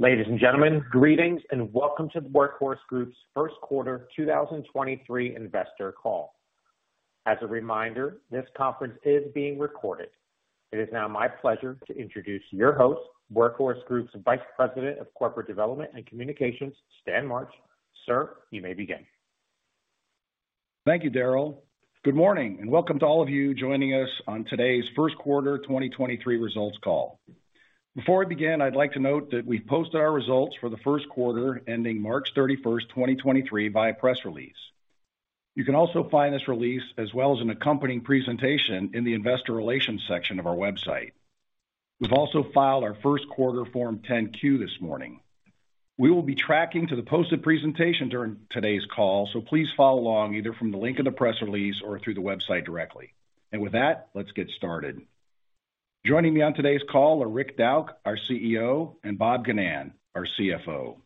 Ladies and gentlemen, greetings and welcome to the Workhorse Group's Q1 2023 investor call. As a reminder, this conference is being recorded. It is now my pleasure to introduce your host, Workhorse Group's Vice President of Corporate Development and Communications, Stan March. Sir, you may begin. Thank you, Darryl. Good morning and welcome to all of you joining us on today's 1st quarter 2023 results call. Before I begin, I'd like to note that we've posted our results for the 1st quarter ending March 31, 2023 via press release. You can also find this release as well as an accompanying presentation in the investor relations section of our website. We've also filed our Q1 Form 10-Q this morning. We will be tracking to the posted presentation during today's call, so please follow along either from the link in the press release or through the website directly. With that, let's get started. Joining me on today's call are Rick Dauch, our CEO, and Bob Ginnan, our CFO.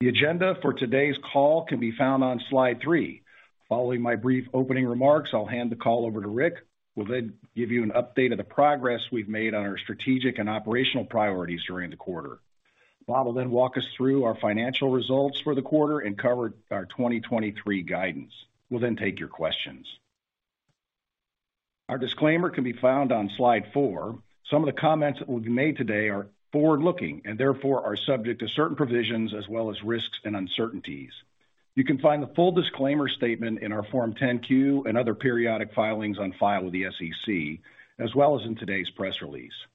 The agenda for today's call can be found on slide three. Following my brief opening remarks, I'll hand the call over to Rick, who will then give you an update of the progress we've made on our strategic and operational priorities during the quarter. Bob will then walk us through our financial results for the quarter and cover our 2023 guidance. We'll then take your questions. Our disclaimer can be found on slide four. Some of the comments that will be made today are forward-looking and therefore are subject to certain provisions as well as risks and uncertainties. You can find the full disclaimer statement in our Form 10-Q and other periodic filings on file with the SEC, as well as in today's press release.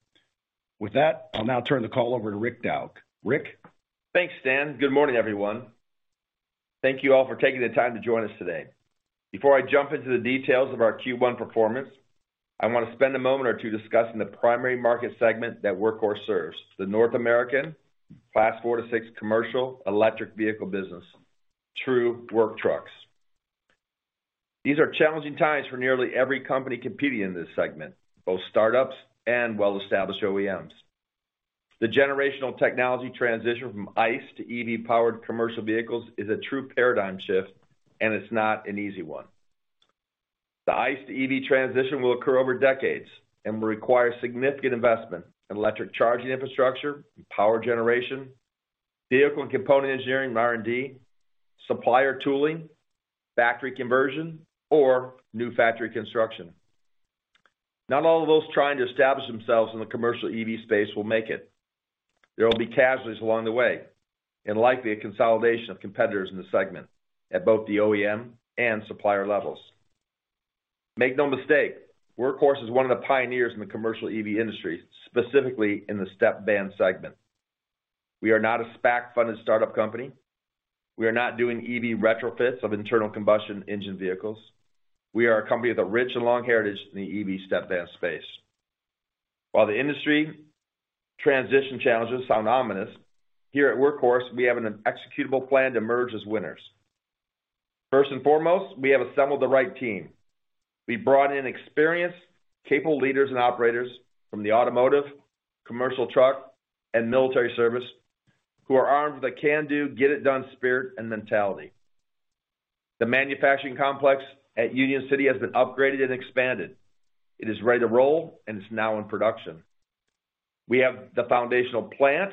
With that, I'll now turn the call over to Rick Dauch. Rick? Thanks, Stan. Good morning, everyone. Thank you all for taking the time to join us today. Before I jump into the details of our Q1 performance, I want to spend a moment or two discussing the primary market segment that Workhorse serves, the North American Class four to six commercial electric vehicle business, true work trucks. These are challenging times for nearly every company competing in this segment, both startups and well-established OEMs. The generational technology transition from ICE to EV-powered commercial vehicles is a true paradigm shift. It's not an easy one. The ICE to EV transition will occur over decades and will require significant investment in electric charging infrastructure, power generation, vehicle and component engineering and R&D, supplier tooling, factory conversion, or new factory construction. Not all of those trying to establish themselves in the commercial EV space will make it. There will be casualties along the way and likely a consolidation of competitors in the segment at both the OEM and supplier levels. Make no mistake, Workhorse is one of the pioneers in the commercial EV industry, specifically in the step van segment. We are not a SPAC-funded startup company. We are not doing EV retrofits of internal combustion engine vehicles. We are a company with a rich and long heritage in the EV step van space. While the industry transition challenges sound ominous, here at Workhorse, we have an executable plan to emerge as winners. First and foremost, we have assembled the right team. We brought in experienced, capable leaders and operators from the automotive, commercial truck, and military service who are armed with a can-do, get-it-done spirit and mentality. The manufacturing complex at Union City has been upgraded and expanded. It is ready to roll, and it's now in production. We have the foundational plant,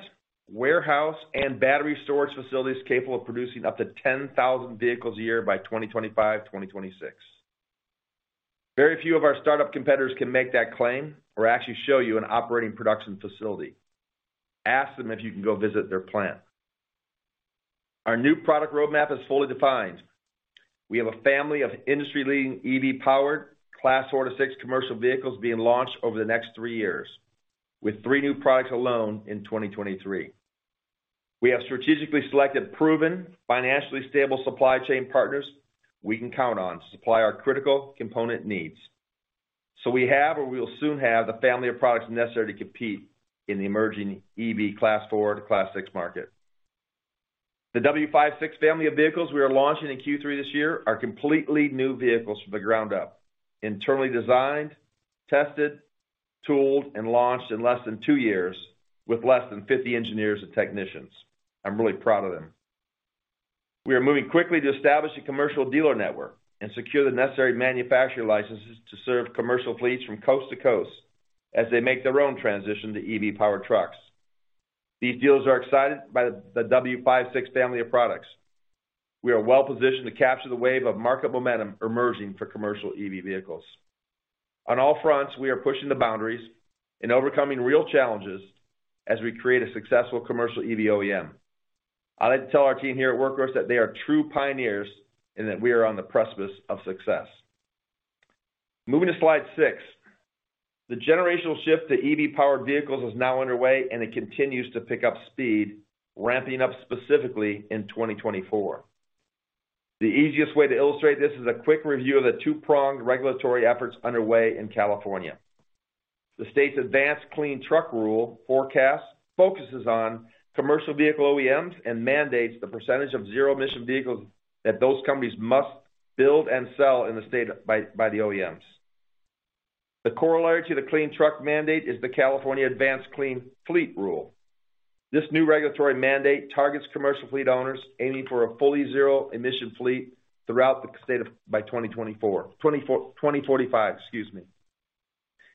warehouse, and battery storage facilities capable of producing up to 10,000 vehicles a year by 2025-2026. Very few of our startup competitors can make that claim or actually show you an operating production facility. Ask them if you can go visit their plant. Our new product roadmap is fully defined. We have a family of industry-leading EV-powered Class four to six commercial vehicles being launched over the next three years, with three new products alone in 2023. We have strategically selected proven, financially stable supply chain partners we can count on to supply our critical component needs. We have or we will soon have the family of products necessary to compete in the emerging EV Class four to Class six market. The W56 family of vehicles we are launching in Q3 this year are completely new vehicles from the ground up, internally designed, tested, tooled, and launched in less than 50 engineers and technicians. I'm really proud of them. We are moving quickly to establish a commercial dealer network and secure the necessary manufacturer licenses to serve commercial fleets from coast to coast as they make their own transition to EV-powered trucks. These dealers are excited by the W56 family of products. We are well-positioned to capture the wave of market momentum emerging for commercial EV vehicles. On all fronts, we are pushing the boundaries and overcoming real challenges as we create a successful commercial EV OEM. I'd like to tell our team here at Workhorse that they are true pioneers and that we are on the precipice of success. Moving to slide six. The generational shift to EV-powered vehicles is now underway, and it continues to pick up speed, ramping up specifically in 2024. The easiest way to illustrate this is a quick review of the two-pronged regulatory efforts underway in California. The state's Advanced Clean Trucks rule forecast focuses on commercial vehicle OEMs and mandates the percentage of zero-emission vehicles that those companies must build and sell in the state by the OEMs. The corollary to the Clean Truck mandate is the California Advanced Clean Fleets rule. This new regulatory mandate targets commercial fleet owners aiming for a fully zero-emission fleet throughout the state of by 2024. 2045, excuse me.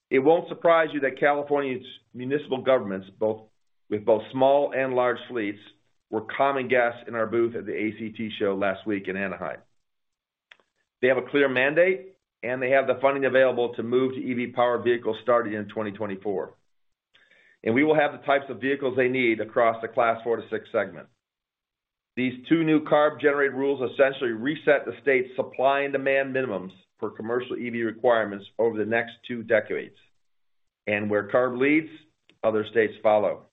It won't surprise you that California's municipal governments, with both small and large fleets, were common guests in our booth at the ACT Show last week in Anaheim. They have a clear mandate, they have the funding available to move to EV-powered vehicles starting in 2024. We will have the types of vehicles they need across the Class four to six segment. These two new CARB-generated rules essentially reset the state's supply and demand minimums for commercial EV requirements over the next two decades. Where CARB leads, other states follow.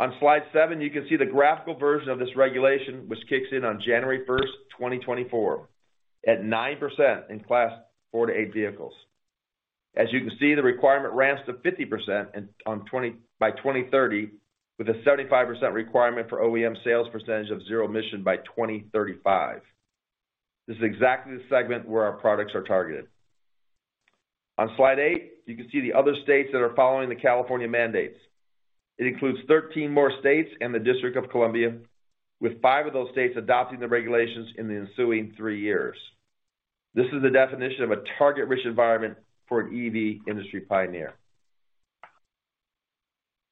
On slide 7, you can see the graphical version of this regulation, which kicks in on January 1, 2024, at 9% in Class 4 to 8 vehicles. As you can see, the requirement ramps to 50% by 2030, with a 75% requirement for OEM sales percentage of zero emission by 2035. This is exactly the segment where our products are targeted. On slide eight, you can see the other states that are following the California mandates. It includes 13 more states and the District of Columbia, with five of those states adopting the regulations in the ensuing three years. This is the definition of a target-rich environment for an EV industry pioneer.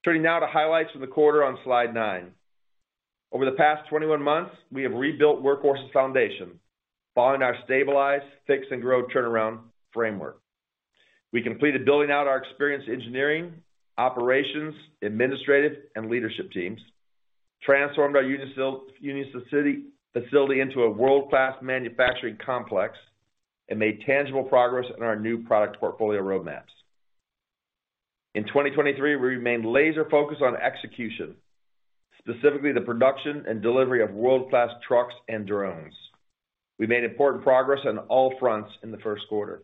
Turning now to highlights for the quarter on slide nine. Over the past 21 months, we have rebuilt Workhorse's foundation, following our stabilize, fix, and grow turnaround framework. We completed building out our experienced engineering, operations, administrative, and leadership teams, transformed our Union City facility into a world-class manufacturing complex, and made tangible progress in our new product portfolio roadmaps. In 2023, we remained laser-focused on execution, specifically the production and delivery of world-class trucks and drones. We made important progress on all fronts in the Q1.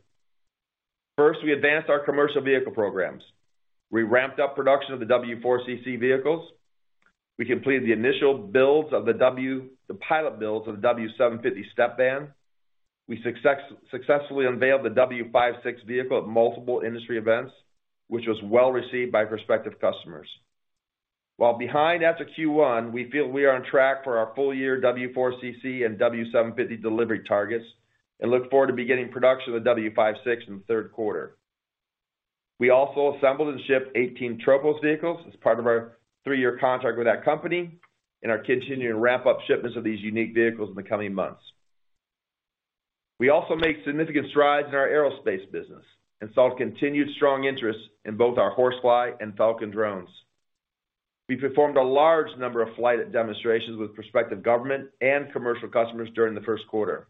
First, we advanced our commercial vehicle programs. We ramped up production of the W4 CC vehicles. We completed the initial builds of the pilot builds of the W750 step van. We successfully unveiled the W56 vehicle at multiple industry events, which was well-received by prospective customers. While behind after Q1, we feel we are on track for our full-year W4 CC and W750 delivery targets, and look forward to beginning production of the W56 in the Q3. We also assembled and shipped 18 Tropos vehicles as part of our three-year contract with that company, and are continuing to ramp up shipments of these unique vehicles in the coming months. We also made significant strides in our aerospace business and saw continued strong interest in both our HorseFly and Falcon drones. We performed a large number of flight demonstrations with prospective government and commercial customers during the Q1.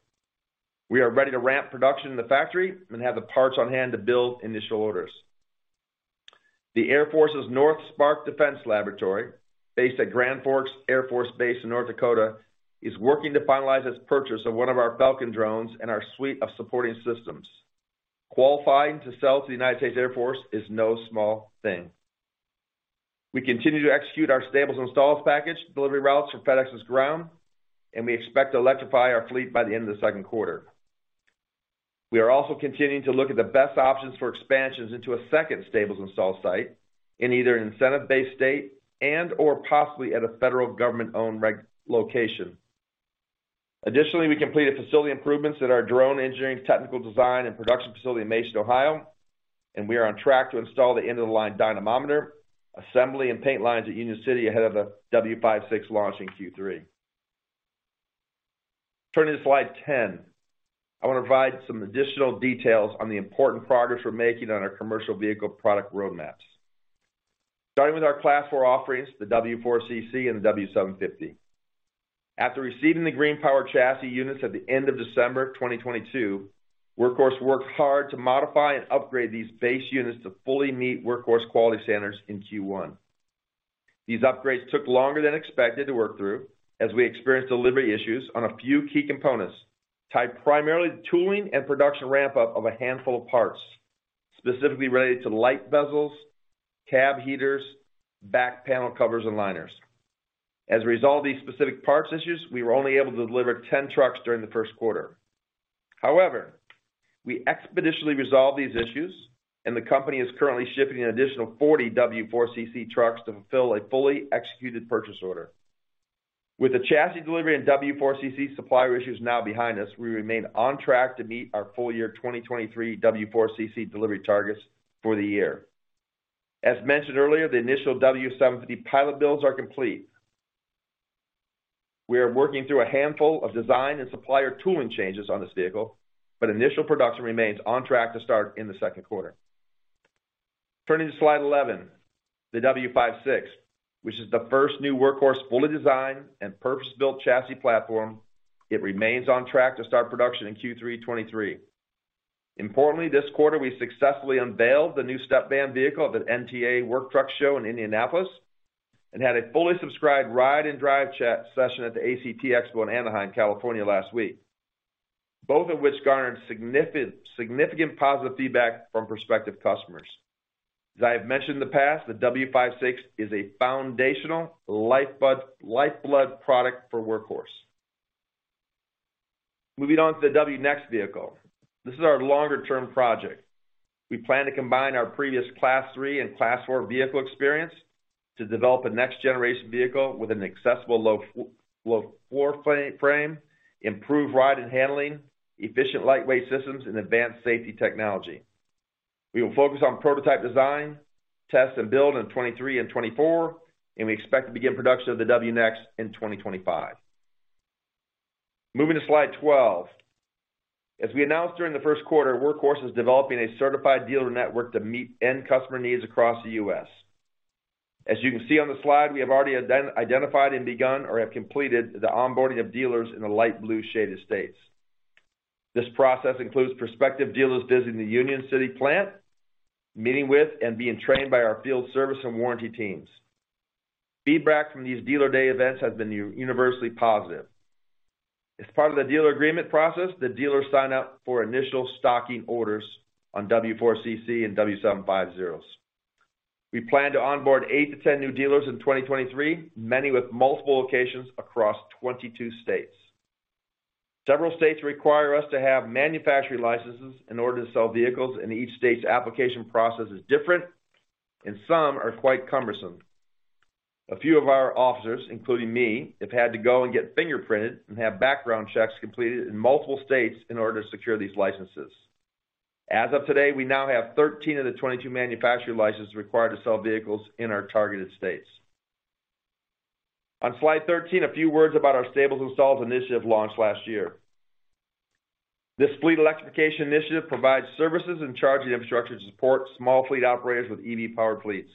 We are ready to ramp production in the factory and have the parts on hand to build initial orders. The Air Force's North Spark Defense Laboratory, based at Grand Forks Air Force Base in North Dakota, is working to finalize its purchase of one of our Falcon drones and our suite of supporting systems. Qualifying to sell to the United States Air Force is no small thing. We continue to execute our Stables & Stalls package delivery routes for FedEx Ground, and we expect to electrify our fleet by the end of the Q2. We are also continuing to look at the best options for expansions into a second Stables & Stalls site in either an incentive-based state and/or possibly at a federal government-owned location. We completed facility improvements at our drone engineering, technical design, and production facility in Mason, Ohio, and we are on track to install the end-of-the-line dynamometer, assembly, and paint lines at Union City ahead of the W56 launch in Q3. Turning to slide 10, I want to provide some additional details on the important progress we're making on our commercial vehicle product roadmaps. Starting with our Class four offerings, the W4 CC and the W750. After receiving the GreenPower chassis units at the end of December 2022, Workhorse worked hard to modify and upgrade these base units to fully meet Workhorse quality standards in Q1. These upgrades took longer than expected to work through, as we experienced delivery issues on a few key components, tied primarily to tooling and production ramp-up of a handful of parts, specifically related to light bezels, cab heaters, back panel covers, and liners. As a result of these specific parts issues, we were only able to deliver 10 trucks during the Q1. However, we expeditiously resolved these issues, and the company is currently shipping an additional 40 W4 CC trucks to fulfill a fully executed purchase order. With the chassis delivery and W4 CC supplier issues now behind us, we remain on track to meet our full-year 2023 W4 CC delivery targets for the year. As mentioned earlier, the initial W750 pilot builds are complete. We are working through a handful of design and supplier tooling changes on this vehicle, but initial production remains on track to start in the Q2. Turning to slide 11, the W56, which is the first new Workhorse fully designed and purpose-built chassis platform, it remains on track to start production in Q3 2023. Importantly, this quarter, we successfully unveiled the new step van vehicle at the NTEA Work Truck Show in Indianapolis and had a fully subscribed ride and drive session at the ACT Expo in Anaheim, California last week, both of which garnered significant positive feedback from prospective customers. As I have mentioned in the past, the W56 is a foundational lifeblood product for Workhorse. Moving on to the WNext vehicle. This is our longer-term project. We plan to combine our previous Class three and Class four vehicle experience to develop a next generation vehicle with an accessible low floor frame, improved ride and handling, efficient lightweight systems and advanced safety technology. We will focus on prototype design, test and build in 2023 and 2024, and we expect to begin production of the WNext in 2025. Moving to slide 12. As we announced during the Q1, Workhorse is developing a certified dealer network to meet end customer needs across the U.S. As you can see on the slide, we have already identified and begun or have completed the onboarding of dealers in the light blue shaded states. This process includes prospective dealers visiting the Union City plant, meeting with and being trained by our field service and warranty teams. Feedback from these dealer day events has been universally positive. As part of the dealer agreement process, the dealers sign up for initial stocking orders on W4 CC and W750s. We plan to onboard eight to 10 new dealers in 2023, many with multiple locations across 22 states. Several states require us to have manufacturing licenses in order to sell vehicles, and each state's application process is different, and some are quite cumbersome. A few of our officers, including me, have had to go and get fingerprinted and have background checks completed in multiple states in order to secure these licenses. As of today, we now have 13 of the 22 manufacturing licenses required to sell vehicles in our targeted states. On slide 13, a few words about our Stables & Stalls initiative launched last year. This fleet electrification initiative provides services and charging infrastructure to support small fleet operators with EV-powered fleets.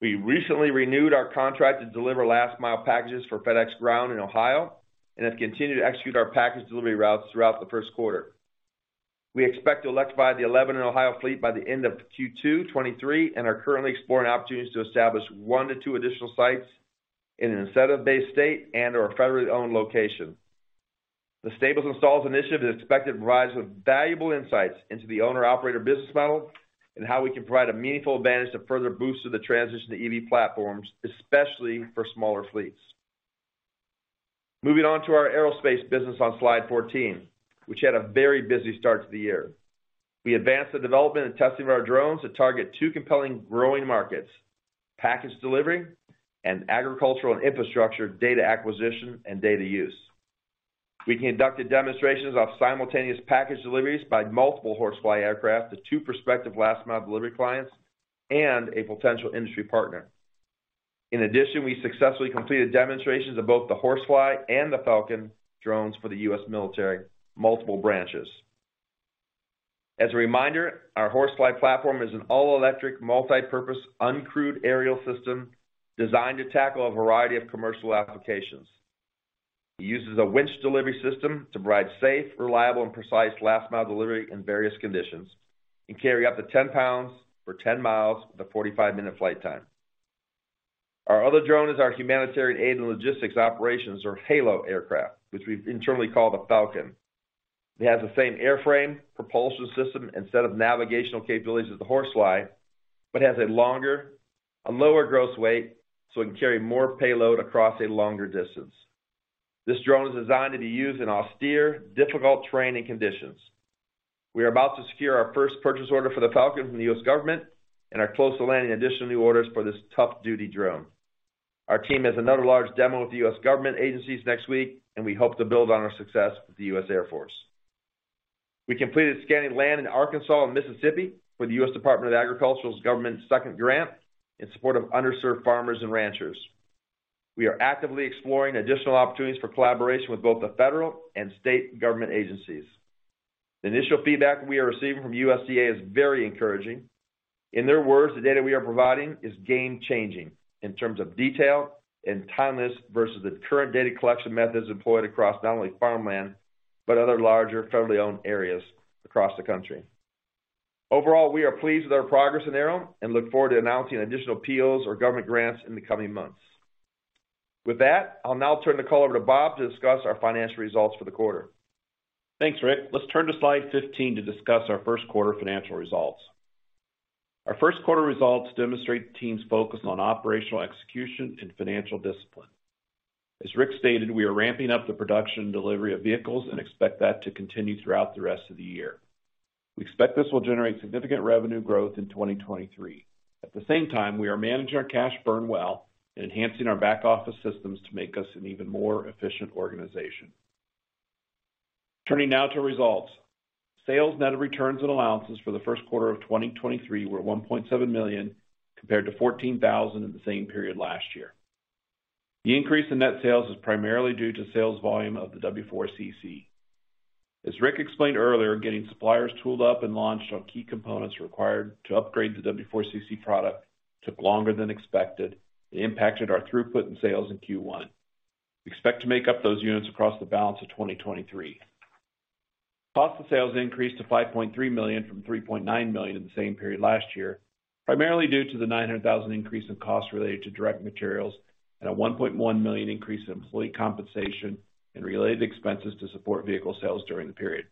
We recently renewed our contract to deliver last mile packages for FedEx Ground in Ohio and have continued to execute our package delivery routes throughout the Q1. We expect to electrify the 11 in Ohio fleet by the end of Q2 2023 and are currently exploring opportunities to establish one to two additional sites in an incentive-based state and/or a federally-owned location. The Stables & Stalls initiative is expected to provide us with valuable insights into the owner-operator business model and how we can provide a meaningful advantage to further boost the transition to EV platforms, especially for smaller fleets. Moving on to our aerospace business on slide 14, which had a very busy start to the year. We advanced the development and testing of our drones to target two compelling growing markets, package delivery and agricultural and infrastructure data acquisition and data use. We conducted demonstrations of simultaneous package deliveries by multiple HorseFly aircraft to two prospective last mile delivery clients and a potential industry partner. In addition, we successfully completed demonstrations of both the HorseFly and the Falcon drones for the U.S. military, multiple branches. As a reminder, our HorseFly platform is an all-electric, multipurpose, uncrewed aerial system designed to tackle a variety of commercial applications. It uses a winch delivery system to provide safe, reliable, and precise last mile delivery in various conditions and carry up to 10 pounds for 10 miles with a 45-minute flight time. Our other drone is our Humanitarian Aid Logistics Operations, or HALO aircraft, which we've internally called the Falcon. It has the same airframe, propulsion system, and set of navigational capabilities as the HorseFly, but has a lower gross weight, so it can carry more payload across a longer distance. This drone is designed to be used in austere, difficult terrain and conditions. We are about to secure our first purchase order for the Falcon from the U.S. government and are close to landing additional new orders for this tough duty drone. Our team has another large demo with the U.S. government agencies next week, and we hope to build on our success with the U.S. Air Force. We completed scanning land in Arkansas and Mississippi for the U.S. Department of Agriculture's second grant in support of underserved farmers and ranchers. We are actively exploring additional opportunities for collaboration with both the federal and state government agencies. The initial feedback we are receiving from USDA is very encouraging. In their words, "The data we are providing is game changing in terms of detail and timeless versus the current data collection methods employed across not only farmland, but other larger federally-owned areas across the country." Overall, we are pleased with our progress in AERO and look forward to announcing additional deals or government grants in the coming months. With that, I'll now turn the call over to Bob to discuss our financial results for the quarter. Thanks, Rick. Let's turn to slide 15 to discuss our Q1 financial results. Our Q1 results demonstrate the team's focus on operational execution and financial discipline. As Rick stated, we are ramping up the production and delivery of vehicles and expect that to continue throughout the rest of the year. We expect this will generate significant revenue growth in 2023. At the same time, we are managing our cash burn well and enhancing our back-office systems to make us an even more efficient organization. Turning now to results. Sales net of returns and allowances for the Q1 of 2023 were $1.7 million, compared to $14,000 in the same period last year. The increase in net sales is primarily due to sales volume of the W4 CC. As Rick explained earlier, getting suppliers tooled up and launched on key components required to upgrade the W4 CC product took longer than expected. It impacted our throughput and sales in Q1. We expect to make up those units across the balance of 2023. Cost of sales increased to $5.3 million from $3.9 million in the same period last year, primarily due to the $900,000 increase in costs related to direct materials and a $1.1 million increase in employee compensation and related expenses to support vehicle sales during the period.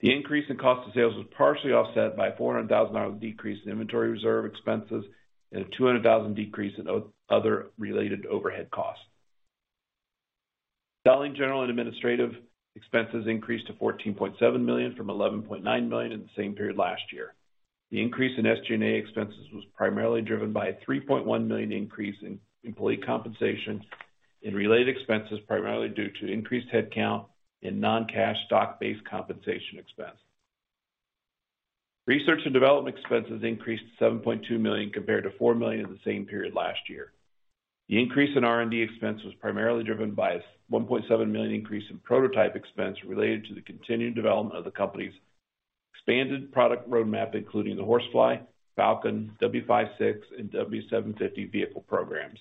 The increase in cost of sales was partially offset by a $400,000 decrease in inventory reserve expenses and a $200,000 decrease in other related overhead costs. Selling General and Administrative expenses increased to $14.7 million from $11.9 million in the same period last year. The increase in SG&A expenses was primarily driven by a $3.1 million increase in employee compensation and related expenses, primarily due to increased headcount in non-cash stock-based compensation expense. Research and Development expenses increased to $7.2 million compared to $4 million in the same period last year. The increase in R&D expense was primarily driven by a $1.7 million increase in prototype expense related to the continued development of the company's expanded product roadmap, including the HorseFly, Falcon, W56, and W750 vehicle programs.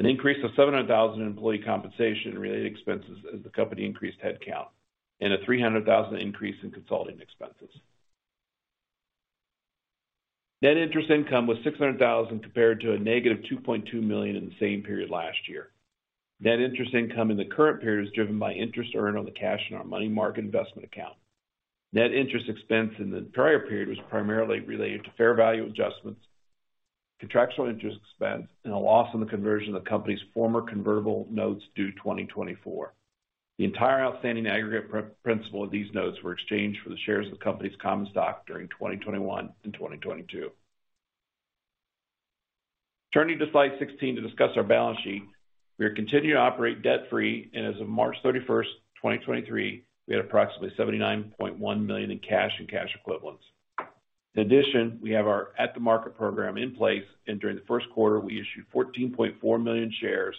An increase of $700,000 in employee compensation and related expenses as the company increased headcount, a $300,000 increase in consulting expenses. Net interest income was $600,000 compared to -$2.2 million in the same period last year. Net interest income in the current period is driven by interest earned on the cash in our money market investment account. Net interest expense in the prior period was primarily related to fair value adjustments, contractual interest expense, and a loss on the conversion of the company's former convertible notes due 2024. The entire outstanding aggregate principal of these notes were exchanged for the shares of the company's common stock during 2021 and 2022. Turning to slide 16 to discuss our balance sheet. We are continuing to operate debt-free, and as of March 31st, 2023, we had approximately $79.1 million in cash and cash equivalents. In addition, we have our at-the-market program in place, and during the Q1, we issued 14.4 million shares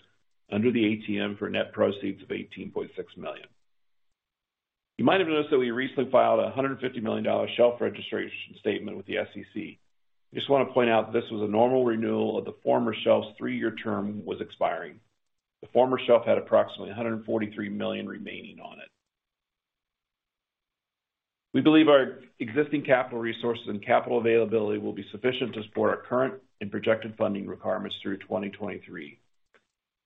under the ATM for net proceeds of $18.6 million. You might have noticed that we recently filed a $150 million shelf registration statement with the SEC. I just wanna point out this was a normal renewal of the former shelf's three-year term was expiring. The former shelf had approximately $143 million remaining on it. We believe our existing capital resources and capital availability will be sufficient to support our current and projected funding requirements through 2023.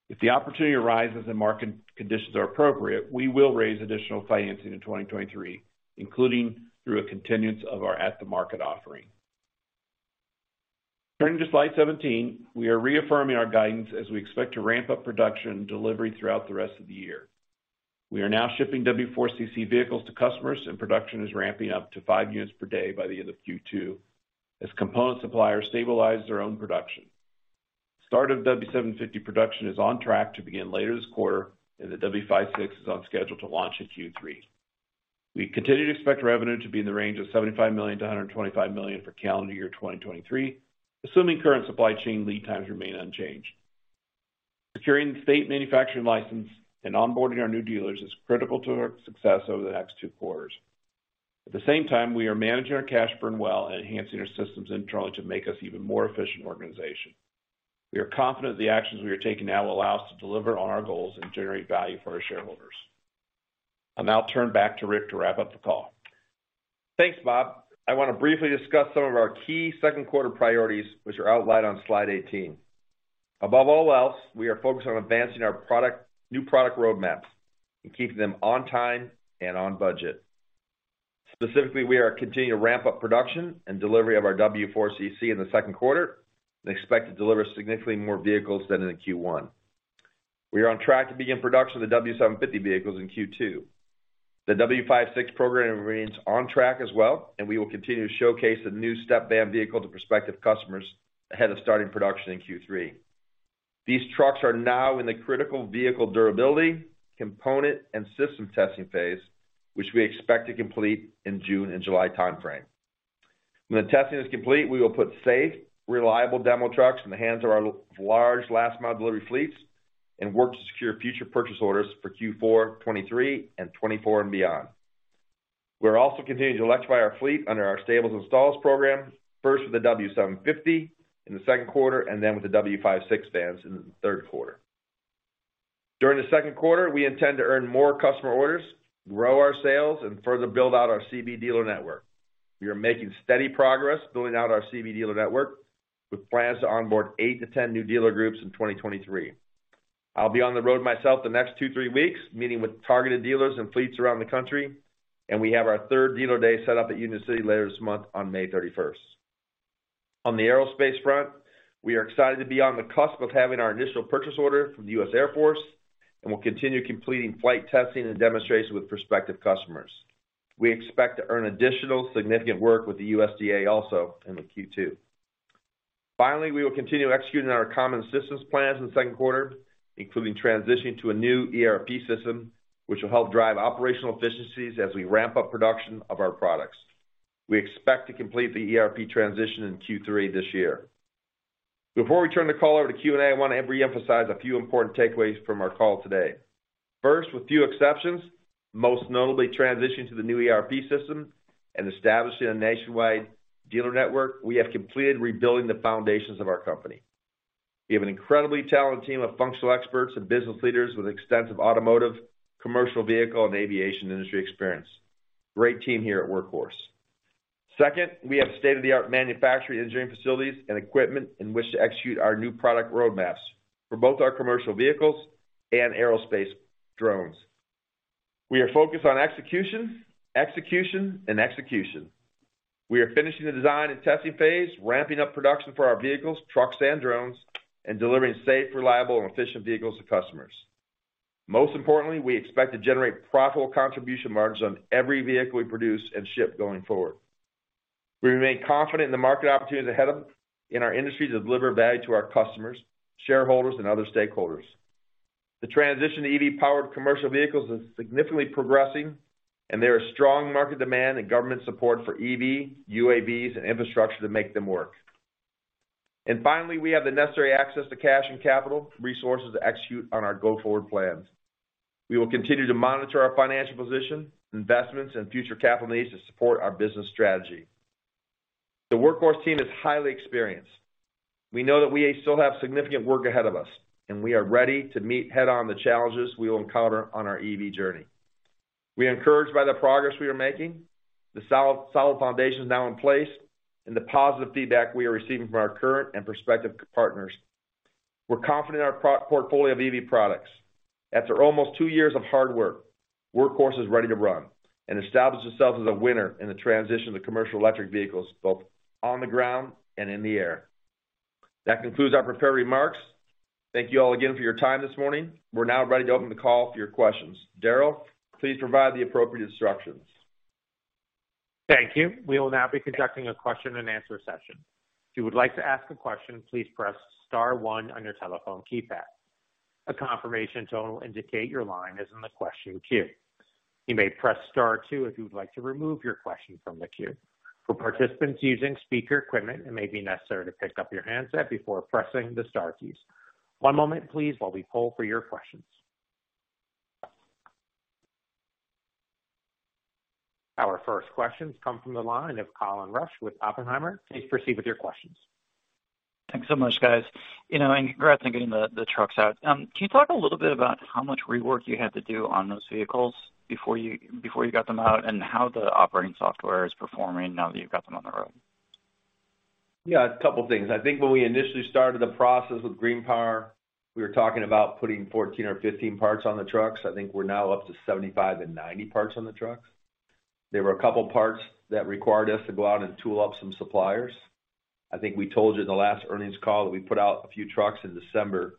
If the opportunity arises and market conditions are appropriate, we will raise additional financing in 2023, including through a continuance of our at-the-market offering. Turning to slide 17, we are reaffirming our guidance as we expect to ramp up production delivery throughout the rest of the year. We are now shipping W4 CC vehicles to customers, and production is ramping up to five units per day by the end of Q2 as component suppliers stabilize their own production. Start of W750 production is on track to begin later this quarter, and the W56 is on schedule to launch in Q3. We continue to expect revenue to be in the range of $75 million to $125 million for calendar year 2023, assuming current supply chain lead times remain unchanged. Securing the state manufacturing license and onboarding our new dealers is critical to our success over the next two quarters. At the same time, we are managing our cash burn well and enhancing our systems internally to make us an even more efficient organization. We are confident the actions we are taking now will allow us to deliver on our goals and generate value for our shareholders. I'll now turn back to Rick to wrap up the call. Thanks, Bob. I wanna briefly discuss some of our key Q2 priorities, which are outlined on slide 18. Above all else, we are focused on advancing our new product roadmaps and keeping them on time and on budget. Specifically, we are continuing to ramp up production and delivery of our W4 CC in the Q2. Expect to deliver significantly more vehicles than in the Q1. We are on track to begin production of the W750 vehicles in Q2. The W56 program remains on track as well. We will continue to showcase the new step van vehicle to prospective customers ahead of starting production in Q3. These trucks are now in the critical vehicle durability, component, and system testing phase, which we expect to complete in June and July timeframe. When the testing is complete, we will put safe, reliable demo trucks in the hands of our large last mile delivery fleets and work to secure future purchase orders for Q4 2023 and 2024 and beyond. We're also continuing to electrify our fleet under our Stables to Installs program, first with the W750 in the Q2 and then with the W56 vans in the Q3. During the Q2, we intend to earn more customer orders, grow our sales, and further build out our CV dealer network. We are making steady progress building out our CV dealer network with plans to onboard eight to 10 new dealer groups in 2023. I'll be on the road myself the next two, three weeks, meeting with targeted dealers and fleets around the country. We have our third dealer day set up at Union City later this month on May 31st. On the aerospace front, we are excited to be on the cusp of having our initial purchase order from the U.S. Air Force and will continue completing flight testing and demonstrations with prospective customers. We expect to earn additional significant work with the USDA also in the Q2. Finally, we will continue executing our common systems plans in the Q2, including transitioning to a new ERP system, which will help drive operational efficiencies as we ramp up production of our products. We expect to complete the ERP transition in Q3 this year. Before we turn the call over to Q&A, I wanna reemphasize a few important takeaways from our call today. First, with few exceptions, most notably transitioning to the new ERP system and establishing a nationwide dealer network, we have completed rebuilding the foundations of our company. We have an incredibly talented team of functional experts and business leaders with extensive automotive, commercial vehicle, and aviation industry experience. Great team here at Workhorse. Second, we have state-of-the-art manufacturing engineering facilities and equipment in which to execute our new product roadmaps for both our commercial vehicles and aerospace drones. We are focused on execution, and execution. We are finishing the design and testing phase, ramping up production for our vehicles, trucks, and drones, and delivering safe, reliable, and efficient vehicles to customers. Most importantly, we expect to generate profitable contribution margins on every vehicle we produce and ship going forward. We remain confident in the market opportunities ahead of in our industry to deliver value to our customers, shareholders, and other stakeholders. The transition to EV-powered commercial vehicles is significantly progressing. There are strong market demand and government support for EV, UAVs, and infrastructure to make them work. Finally, we have the necessary access to cash and capital resources to execute on our go-forward plans. We will continue to monitor our financial position, investments, and future capital needs to support our business strategy. The Workhorse team is highly experienced. We know that we still have significant work ahead of us. We are ready to meet head-on the challenges we will encounter on our EV journey. We are encouraged by the progress we are making, the solid foundations now in place. The positive feedback we are receiving from our current and prospective partners. We're confident in our pro-portfolio of EV products. After almost two years of hard work, Workhorse is ready to run and establish itself as a winner in the transition to commercial electric vehicles, both on the ground and in the air. That concludes our prepared remarks. Thank you all again for your time this morning. We're now ready to open the call for your questions. Darryl, please provide the appropriate instructions. Thank you. We will now be conducting a question-and-answer session. If you would like to ask a question, please press star one on your telephone keypad. A confirmation tone will indicate your line is in the question queue. You may press star two if you would like to remove your question from the queue. For participants using speaker equipment, it may be necessary to pick up your handset before pressing the star keys. One moment, please, while we poll for your questions. Our first questions come from the line of Colin Rusch with Oppenheimer. Please proceed with your questions. Thanks so much, guys. You know, congrats on getting the trucks out. Can you talk a little bit about how much rework you had to do on those vehicles before you got them out, and how the operating software is performing now that you've got them on the road? A couple of things. I think when we initially started the process with Green Power, we were talking about putting 14 or 15 parts on the trucks. I think we're now up to 75 and 90 parts on the trucks. There were a couple parts that required us to go out and tool up some suppliers. I think we told you in the last earnings call that we put out a few trucks in December.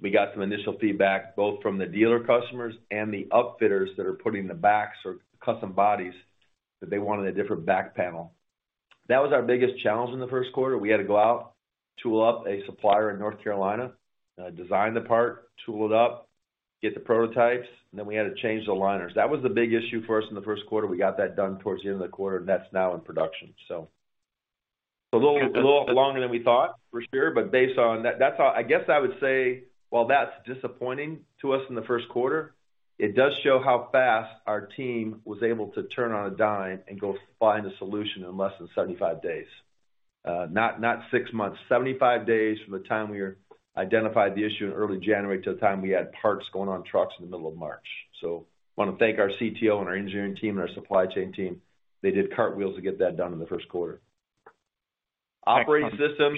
We got some initial feedback, both from the dealer customers and the upfitters that are putting the backs or custom bodies, that they wanted a different back panel. That was our biggest challenge in the Q1. We had to go out, tool up a supplier in North Carolina, design the part, tool it up, get the prototypes, and then we had to change the liners. That was the big issue for us in the Q1. We got that done towards the end of the quarter. That's now in production. A little longer than we thought, for sure. Based on that, while that's disappointing to us in the Q1, it does show how fast our team was able to turn on a dime and go find a solution in less than 75 days. Not 6 months, 75 days from the time we identified the issue in early January to the time we had parts going on trucks in the middle of March. I want to thank our CTO and our engineering team and our supply chain team. They did cartwheels to get that done in the Q1. Operating system,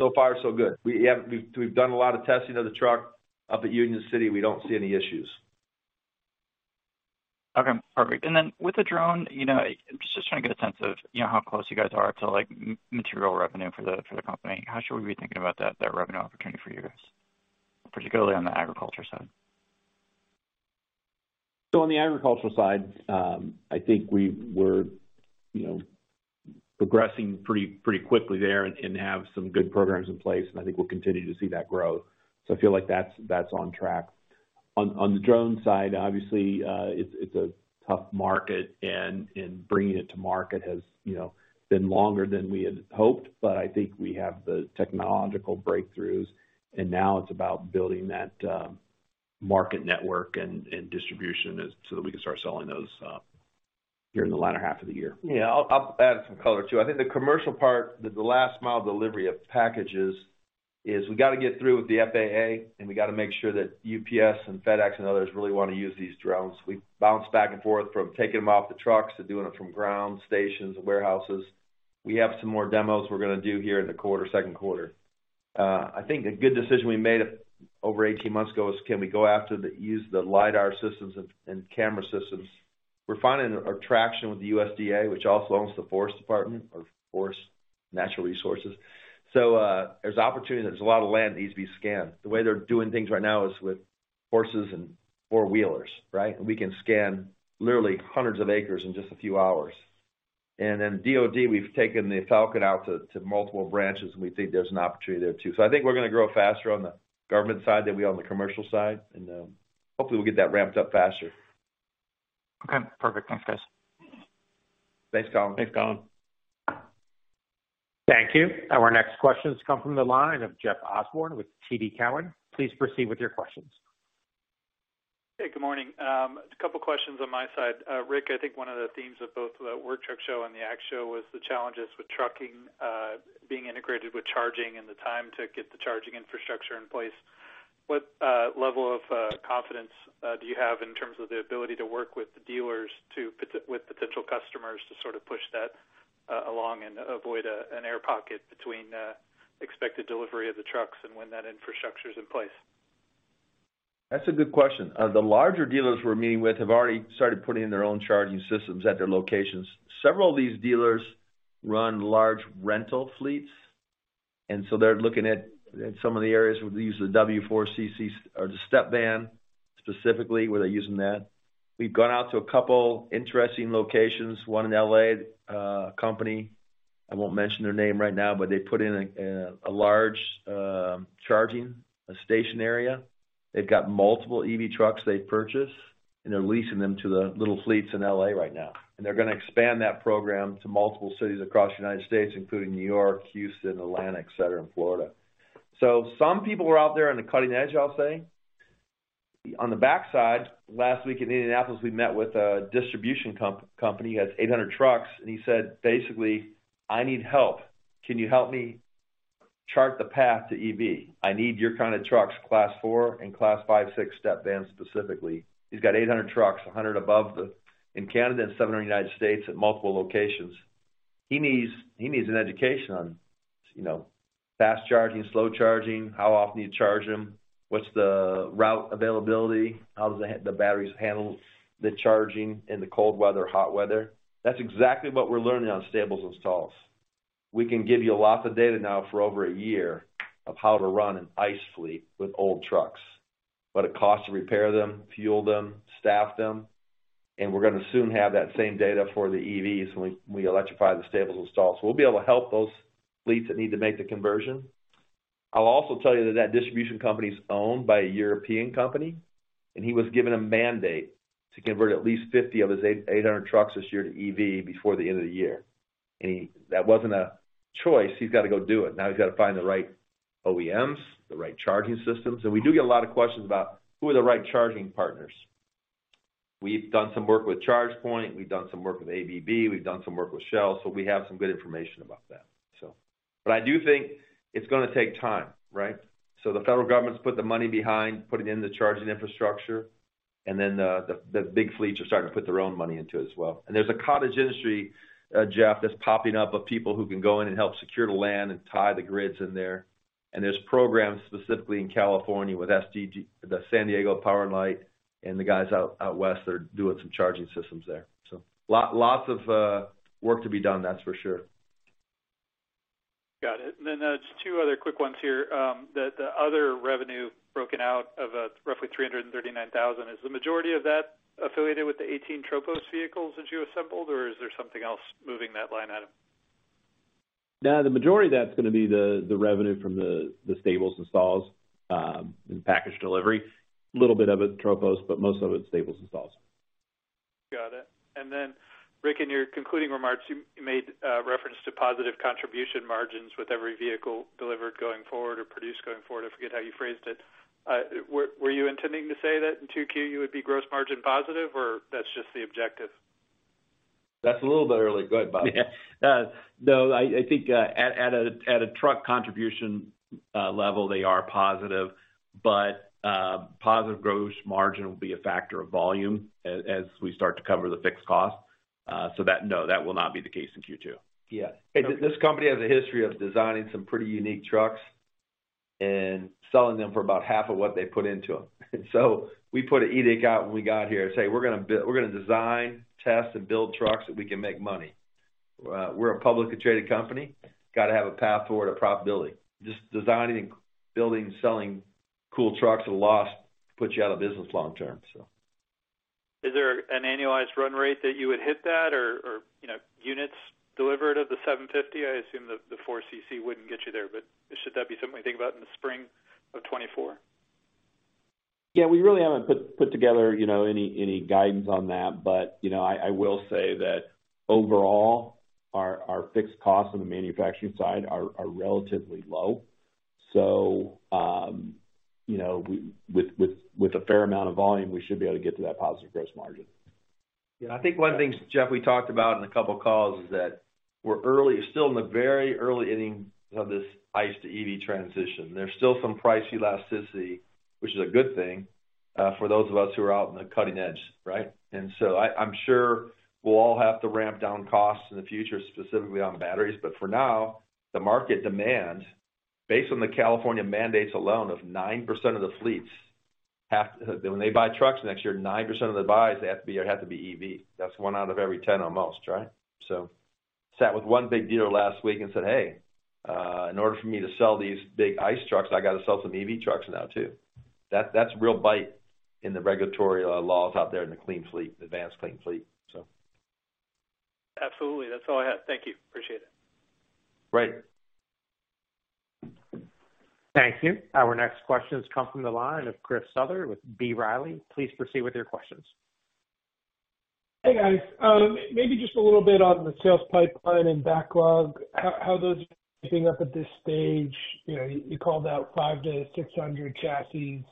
so far, so good. We've done a lot of testing of the truck up at Union City. We don't see any issues. Okay, perfect. With the drone, you know, I'm just trying to get a sense of, you know, how close you guys are to, like, material revenue for the, for the company. How should we be thinking about that revenue opportunity for you guys, particularly on the agriculture side? On the agricultural side, I think we're, you know, progressing pretty quickly there and have some good programs in place, and I think we'll continue to see that growth. I feel like that's on track. On the drone side, obviously, it's a tough market and bringing it to market has, you know, been longer than we had hoped. I think we have the technological breakthroughs, and now it's about building that market network and distribution so that we can start selling those, during the latter half of the year. Yeah, I'll add some color, too. I think the commercial part, the last mile delivery of packages is we gotta get through with the FAA, and we gotta make sure that UPS and FedEx and others really wanna use these drones. We bounced back and forth from taking them off the trucks to doing them from ground stations and warehouses. We have some more demos we're gonna do here in the quarter, Q2. I think a good decision we made over 18 months ago is can we go after the use the lidar systems and camera systems. We're finding our traction with the USDA, which also owns the Forest Department or Forest Natural Resources. There's opportunity, there's a lot of land that needs to be scanned. The way they're doing things right now is with horses and four-wheelers, right? We can scan literally hundreds of acres in just a few hours. DoD, we've taken the Falcon out to multiple branches, and we think there's an opportunity there, too. I think we're gonna grow faster on the government side than we are on the commercial side, and, hopefully we'll get that ramped up faster. Okay, perfect. Thanks, guys. Thanks, Colin. Thanks, Colin. Thank you. Our next questions come from the line of Jeff Osborne with TD Cowen. Please proceed with your questions. Hey, good morning. A couple of questions on my side. Rick, I think one of the themes of both the Work Truck Show and the ACT Expo was the challenges with trucking, being integrated with charging and the time to get the charging infrastructure in place. What level of confidence do you have in terms of the ability to work with the dealers with potential customers to sort of push that along and avoid an air pocket between expected delivery of the trucks and when that infrastructure is in place? That's a good question. The larger dealers we're meeting with have already started putting in their own charging systems at their locations. Several of these dealers run large rental fleets, they're looking at some of the areas where they use the W4CC or the step van specifically, where they're using that. We've gone out to a couple interesting locations, one in L.A., a company, I won't mention their name right now, but they put in a large charging station area. They've got multiple EV trucks they purchased, they're leasing them to the little fleets in L.A. right now. They're gonna expand that program to multiple cities across the United States, including New York, Houston, Atlanta, et cetera, and Florida. Some people are out there on the cutting edge, I'll say. On the backside, last week in Indianapolis, we met with a distribution company, has 800 trucks, and he said, basically, "I need help. Can you help me chart the path to EV? I need your kind of trucks, Class 4 and Class 5/6 step vans specifically." He's got 800 trucks, 100 in Canada, and 700 in the United States at multiple locations. He needs an education on, you know, fast charging, slow charging, how often you charge them, what's the route availability, how does the batteries handle the charging in the cold weather, hot weather. That's exactly what we're learning on Stables & Installs. We can give you lots of data now for over a year of how to run an ICE fleet with old trucks, what it costs to repair them, fuel them, staff them, and we're gonna soon have that same data for the EVs when we electrify the Stables & Stalls. We'll be able to help those fleets that need to make the conversion. I'll also tell you that that distribution company is owned by a European company, and he was given a mandate to convert at least 50 of his 800 trucks this year to EV before the end of the year. That wasn't a choice. He's got to go do it. Now he's got to find the right OEMs, the right charging systems. We do get a lot of questions about who are the right charging partners. We've done some work with ChargePoint, we've done some work with ABB, we've done some work with Shell, we have some good information about that. I do think it's gonna take time, right? The Federal Government's put the money behind putting in the charging infrastructure, and then the big fleets are starting to put their own money into it as well. There's a cottage industry, Jeff, that's popping up of people who can go in and help secure the land and tie the grids in there. There's programs specifically in California with SDG, the San Diego Power and Light, and the guys out west are doing some charging systems there. Lots of work to be done, that's for sure. Got it. Just 2 other quick ones here. The other revenue broken out of roughly $339,000, is the majority of that affiliated with the 18 Tropos vehicles that you assembled, or is there something else moving that line item? No, the majority of that's gonna be the revenue from the Stables & Stalls and package delivery. Little bit of it Tropos, but most of it Stables & Stalls. Got it. Then Rick, in your concluding remarks, you made reference to positive contribution margins with every vehicle delivered going forward or produced going forward. I forget how you phrased it. Were you intending to say that in 2Q you would be gross margin positive, or that's just the objective? That's a little bit early. Go ahead, Bob. No, I think, at a, at a truck contribution, level, they are positive, but positive gross margin will be a factor of volume as we start to cover the fixed cost. So that, no, that will not be the case in Q2. Yeah. This company has a history of designing some pretty unique trucks and selling them for about half of what they put into them. We put an edict out when we got here and say, "We're gonna design, test, and build trucks that we can make money." We're a publicly traded company. Got to have a path toward a profitability. Just designing and building, selling cool trucks at a loss puts you out of business long term, so. Is there an annualized run rate that you would hit that or, you know, units delivered of the W750? I assume the W4 CC wouldn't get you there, but should that be something we think about in the spring of 2024? Yeah, we really haven't put together, you know, any guidance on that. You know, I will say that overall, our fixed costs on the manufacturing side are relatively low. You know, with a fair amount of volume, we should be able to get to that positive gross margin. Yeah. I think one of the things, Jeff, we talked about in a couple of calls is that we're early, still in the very early innings of this ICE to EV transition. There's still some price elasticity, which is a good thing, for those of us who are out in the cutting edge, right? I'm sure we'll all have to ramp down costs in the future, specifically on batteries. For now, the market demand, based on the California mandates alone of 9% of the fleets when they buy trucks next year, 9% of the buys have to be EV. That's 1 out of every 10 almost, right? Sat with one big dealer last week and said, "Hey, in order for me to sell these big ICE trucks, I got to sell some EV trucks now, too." That's real bite in the regulatory, laws out there in the Advanced Clean Fleets. Absolutely. That's all I had. Thank you. Appreciate it. Great. Thank you. Our next question comes from the line of Christopher from B. Riley. Please proceed with your questions. Hey, guys. Maybe just a little bit on the sales pipeline and backlog, how those are shaping up at this stage. You know, you called out 500-600 chassis,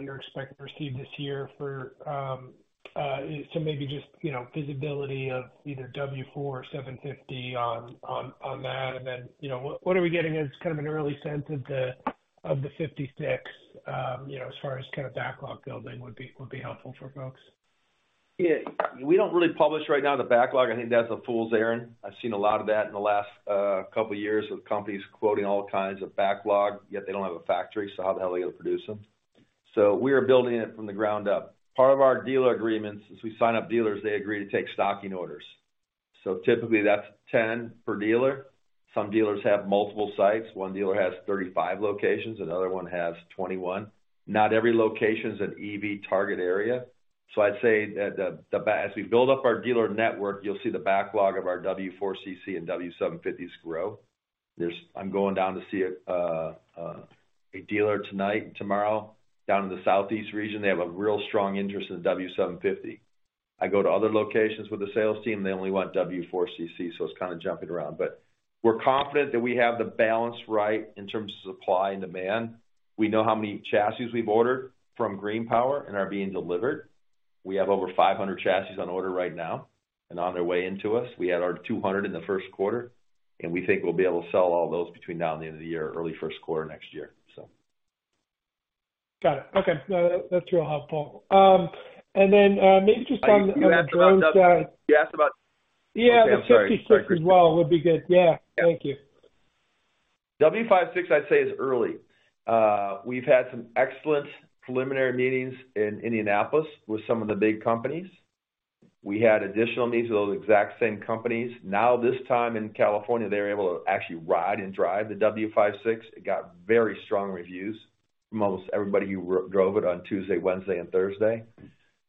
you're expecting to receive this year for, maybe just, you know, visibility of either W4 or W750 on that. Then, you know, what are we getting as kind of an early sense of the W56, you know, as far as kind of backlog building would be helpful for folks. Yeah. We don't really publish right now the backlog. I think that's a fool's errand. I've seen a lot of that in the last couple of years with companies quoting all kinds of backlog, yet they don't have a factory, so how the hell are they gonna produce them? We are building it from the ground up. Part of our dealer agreements, as we sign up dealers, they agree to take stocking orders. Typically that's 10 per dealer. Some dealers have multiple sites. One dealer has 35 locations, another one has 21. Not every location is an EV target area. I'd say that as we build up our dealer network, you'll see the backlog of our W4 CC and W750s grow. I'm going down to see a dealer tonight and tomorrow down in the southeast region. They have a real strong interest in W750. I go to other locations with a sales team, they only want W4 CC, so it's kind of jumping around. We're confident that we have the balance right in terms of supply and demand. We know how many chassis we've ordered from GreenPower and are being delivered. We have over 500 chassis on order right now and on their way into us. We had our 200 in the Q1, and we think we'll be able to sell all those between now and the end of the year or early Q1 next year. Got it. Okay. No, that's real helpful. Maybe just on the drone side- You asked about... Yeah. Okay. I'm sorry. The 56 as well would be good. Yeah. Thank you. W56, I'd say, is early. We've had some excellent preliminary meetings in Indianapolis with some of the big companies. We had additional needs of those exact same companies. This time in California, they're able to actually ride and drive the W56. It got very strong reviews from almost everybody who drove it on Tuesday, Wednesday and Thursday.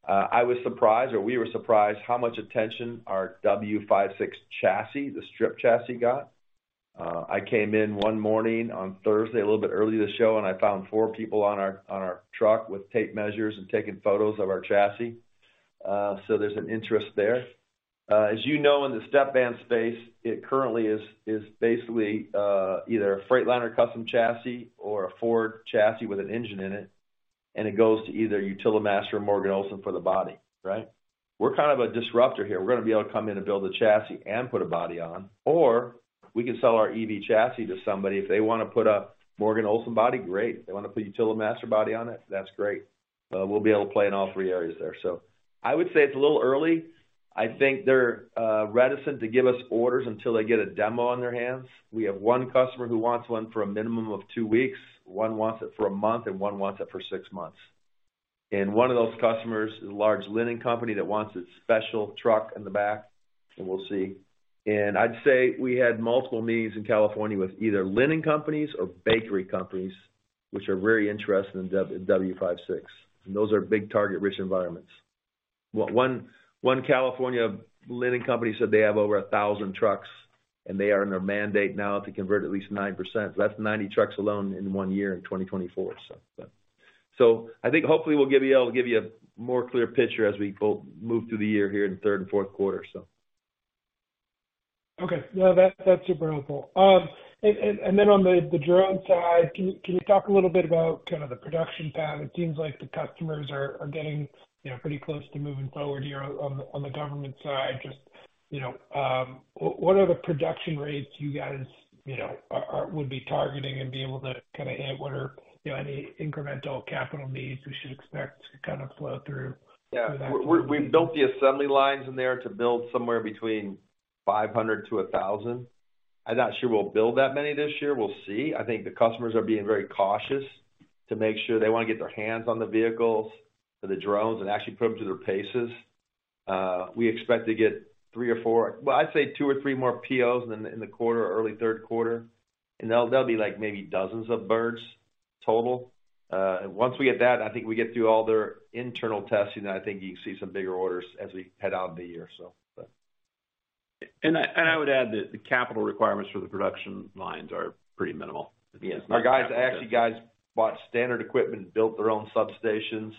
I was surprised or we were surprised how much attention our W56 chassis, the strip chassis got. I came in one morning on Thursday, a little bit early this show, I found four people on our truck with tape measures and taking photos of our chassis. There's an interest there. As you know, in the step van space, it currently is basically either a Freightliner custom chassis or a Ford chassis with an engine in it, and it goes to either Utilimaster or Morgan Olson for the body, right? We're kind of a disruptor here. We're gonna be able to come in and build a chassis and put a body on, or we can sell our EV chassis to somebody. If they wanna put a Morgan Olson body, great. They wanna put Utilimaster body on it, that's great. We'll be able to play in all three areas there. I would say it's a little early. I think they're reticent to give us orders until they get a demo on their hands. We have one customer who wants one for a minimum of 2 weeks, one wants it for a month, and one wants it for 6 months. One of those customers is a large linen company that wants its special truck in the back, and we'll see. I'd say we had multiple meetings in California with either linen companies or bakery companies, which are very interested in W56, and those are big target rich environments. One California linen company said they have over 1,000 trucks and they are under mandate now to convert at least 9%. That's 90 trucks alone in 1 year in 2024. I think hopefully I'll give you a more clear picture as we move through the year here in the third and fourth quarter. Okay. No, that's super helpful. Then on the drone side, can you talk a little bit about kind of the production time? It seems like the customers are getting, you know, pretty close to moving forward here on the government side. Just, you know, what are the production rates you guys, you know, would be targeting and be able to kinda hit? What are, you know, any incremental capital needs we should expect to kind of flow through for that? We've built the assembly lines in there to build somewhere between 500 to 1,000. I'm not sure we'll build that many this year. We'll see. I think the customers are being very cautious to make sure they wanna get their hands on the vehicles for the drones and actually put them through their paces. We expect to get 3 or four, I'd say two or three more POs in the quarter or early Q3, and they'll be like maybe dozens of birds total. Once we get that, I think we get through all their internal testing, and I think you can see some bigger orders as we head out of the year. I would add that the capital requirements for the production lines are pretty minimal. Our guys, actually guys bought standard equipment, built their own substations.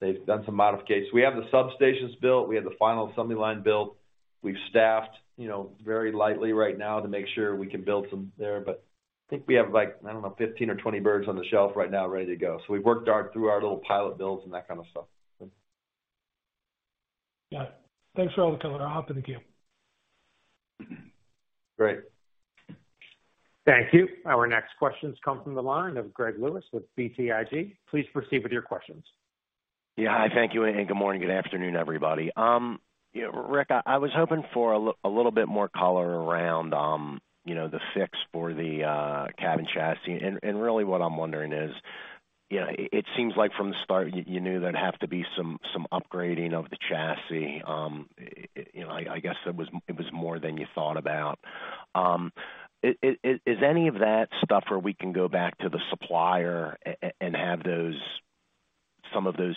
They've done some modifications. We have the substations built. We have the final assembly line built. We've staffed, you know, very lightly right now to make sure we can build some there. I think we have, like, I don't know, 15 or 20 birds on the shelf right now ready to go. We've worked through our little pilot builds and that kind of stuff. Got it. Thanks for all the color. I'll hop in the queue. Great. Thank you. Our next questions come from the line of Greg Lewis with BTIG. Please proceed with your questions. Yeah. Hi, thank you, and good morning, good afternoon, everybody. Rick, I was hoping for a little bit more color around, you know, the fix for the cabin chassis. Really what I'm wondering is, you know, it seems like from the start you knew there'd have to be some upgrading of the chassis. Is any of that stuff where we can go back to the supplier and have some of those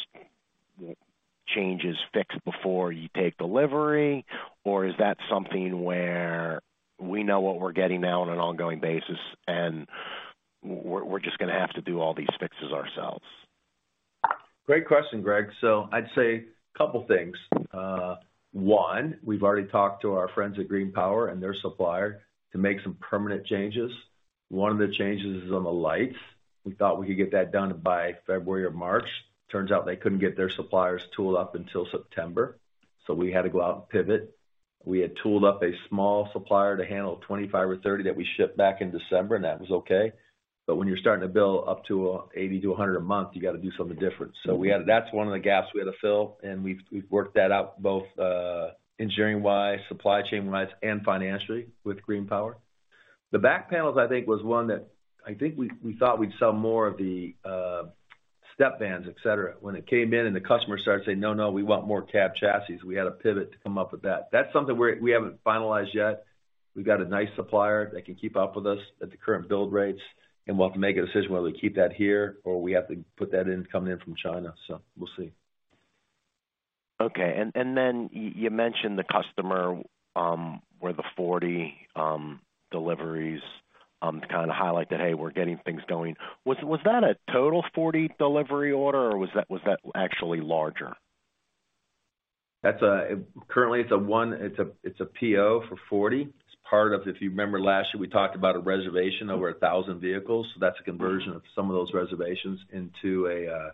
changes fixed before you take delivery? Is that something where we know what we're getting now on an ongoing basis, and we're just gonna have to do all these fixes ourselves? Great question, Greg. I'd say a couple things. One, we've already talked to our friends at GreenPower and their supplier to make some permanent changes. One of the changes is on the lights. We thought we could get that done by February or March. Turns out they couldn't get their suppliers tooled up until September. We had to go out and pivot. We had tooled up a small supplier to handle 25 or 30 that we shipped back in December, and that was okay. When you're starting to build up to 80 to 100 a month, you got to do something different. That's one of the gaps we had to fill, and we've worked that out both, engineering-wise, supply chain-wise, and financially with GreenPower. The back panels, I think, was one that I think we thought we'd sell more of the step vans, et cetera. When it came in and the customer started saying, "No, no, we want more cab chassis," we had to pivot to come up with that. That's something we haven't finalized yet. We've got a nice supplier that can keep up with us at the current build rates, and we'll have to make a decision whether we keep that here or we have to put that in, coming in from China. We'll see. Okay. Then you mentioned the customer, where the 40 deliveries to kind of highlight that, hey, we're getting things going. Was that a total 40 delivery order or was that actually larger? That's, currently it's a PO for 40. It's part of, if you remember last year, we talked about a reservation over 1,000 vehicles, so that's a conversion of some of those reservations into a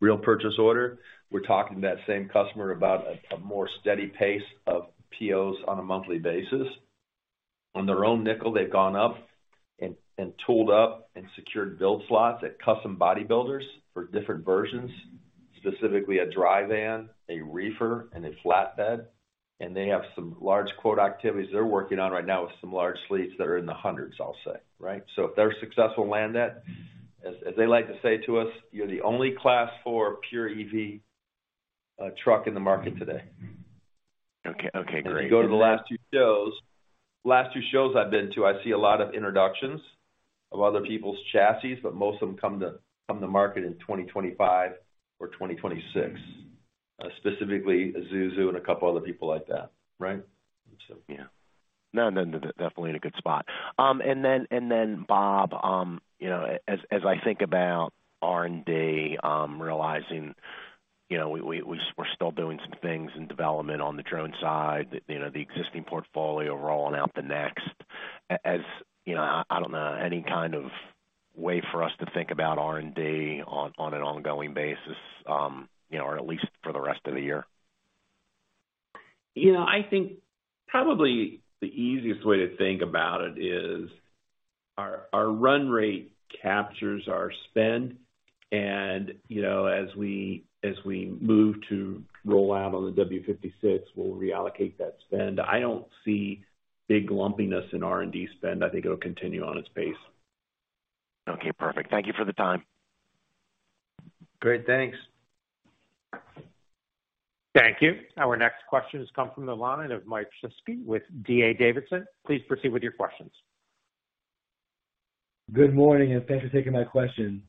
real purchase order. We're talking to that same customer about a more steady pace of POs on a monthly basis. On their own nickel, they've gone up and tooled up and secured build slots at custom body builders for different versions, specifically a dry van, a reefer, and a flatbed. They have some large quote activities they're working on right now with some large fleets that are in the hundreds, I'll say, right? If they're successful to land that, as they like to say to us, "You're the only Class 4 pure EV truck in the market today. Okay. Okay, great. If you go to the last two shows, last two shows I've been to, I see a lot of introductions of other people's chassis, but most of them come to market in 2025 or 2026, specifically Isuzu and a couple other people like that, right? Yeah. No, no. Definitely in a good spot. Bob Ginnan, you know, as I think about R&D, realizing, you know, we're still doing some things in development on the drone side, you know, the existing portfolio rolling out the next. As, you know, I don't know any kind of way for us to think about R&D on an ongoing basis, you know, or at least for the rest of the year? You know, I think probably the easiest way to think about it is our run rate captures our spend and, you know, as we move to roll out on the W56, we'll reallocate that spend. I don't see big lumpiness in R&D spend. I think it'll continue on its pace. Okay, perfect. Thank you for the time. Great. Thanks. Thank you. Our next question has come from the line of Mike Siskey with D.A. Davidson. Please proceed with your questions. Good morning, thanks for taking my question.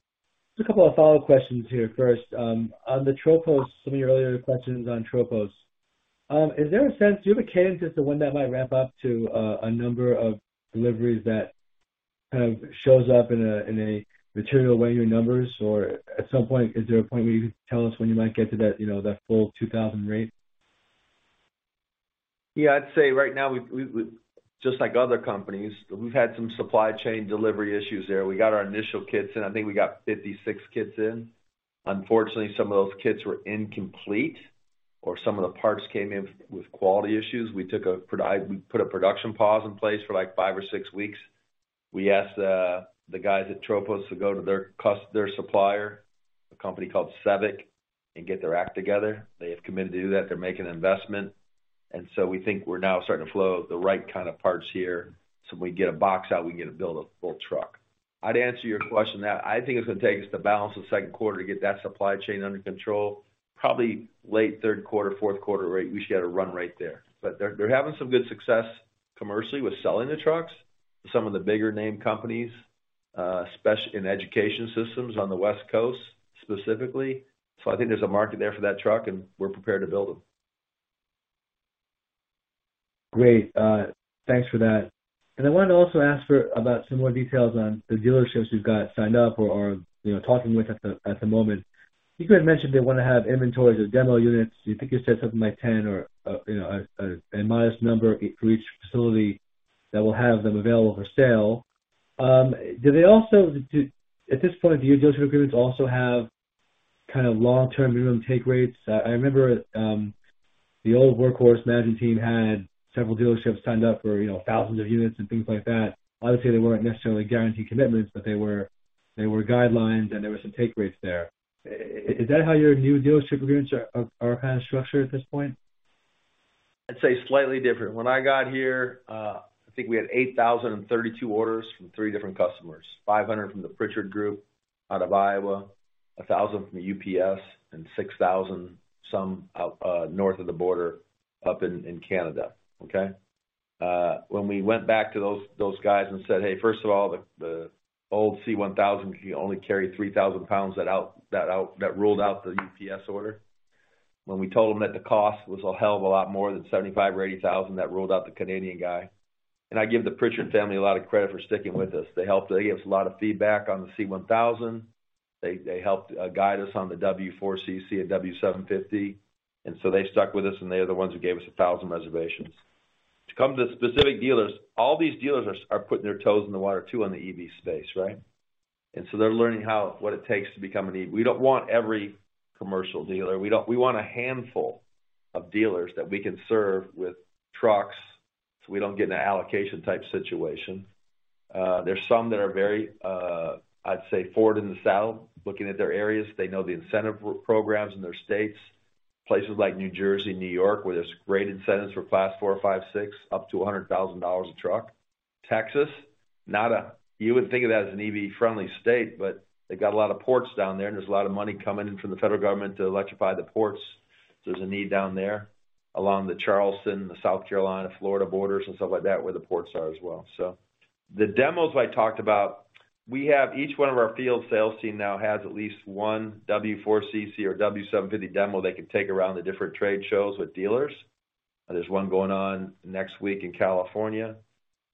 Just a couple of follow-up questions here. First, on the Tropos, some of your earlier questions on Tropos. Is there a sense, do you have a cadence as to when that might ramp up to a number of deliveries that kind of shows up in a, in a material way in your numbers? At some point, is there a point where you could tell us when you might get to that, you know, that full 2,000 rate? Yeah, I'd say right now we've just like other companies, we've had some supply chain delivery issues there. We got our initial kits in. I think we got 56 kits in. Unfortunately, some of those kits were incomplete or some of the parts came in with quality issues. We took a production pause in place for like 5 or 6 weeks. We asked the guys at Tropos to go to their supplier, a company called Sevic Systems SE, and get their act together. They have committed to do that. They're making an investment. We think we're now starting to flow the right kind of parts here, so when we get a box out, we can build a full truck. I'd answer your question that I think it's gonna take us the balance of the Q2 to get that supply chain under control. Probably late Q3, fourth quarter rate, we should get a run rate there. They're having some good success commercially with selling the trucks to some of the bigger name companies in education systems on the West Coast specifically. I think there's a market there for that truck, and we're prepared to build them. Great. Thanks for that. I wanted to also ask about some more details on the dealerships you've got signed up or are, you know, talking with at the moment. I think you had mentioned they want to have inventories or demo units. I think you said something like 10 or, you know, a modest number for each facility that will have them available for sale. Do they also, at this point, do your dealership agreements also have kind of long-term minimum take rates? I remember, the old Workhorse management team had several dealerships signed up for, you know, thousands of units and things like that. Obviously, they weren't necessarily guaranteed commitments, but they were guidelines and there were some take rates there. Is that how your new dealership agreements are kind of structured at this point? I'd say slightly different. When I got here, I think we had 8,032 orders from three different customers. 500 from the Pritchard Group out of Iowa, 1,000 from the UPS, and 6,000 some out north of the border up in Canada. Okay? When we went back to those guys and said, "Hey, first of all, the old C1000, if you only carry 3,000 pounds, that ruled out the UPS order." When we told them that the cost was a hell of a lot more than $75,000 or $80,000, that ruled out the Canadian guy. I give the Pritchard family a lot of credit for sticking with us. They gave us a lot of feedback on the C1000. They helped guide us on the W4 CC and W750. They stuck with us and they are the ones who gave us 1,000 reservations. To come to specific dealers, all these dealers are putting their toes in the water too on the EV space, right? They're learning how what it takes to become an EV. We want a handful of dealers that we can serve with trucks, so we don't get an allocation type situation. There's some that are very. I'd say Ford in the South, looking at their areas, they know the incentive programs in their states. Places like New Jersey, New York, where there's great incentives for Class 4, 5, 6, up to $100,000 a truck. Texas, You would think of that as an EV-friendly state, but they got a lot of ports down there, and there's a lot of money coming in from the federal government to electrify the ports. There's a need down there along the Charleston, the South Carolina, Florida borders and stuff like that, where the ports are as well. The demos I talked about, we have each one of our field sales team now has at least one W4 CC or W750 demo they can take around the different trade shows with dealers. There's one going on next week in California.